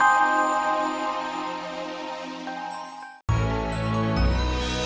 sampai jumpa lagi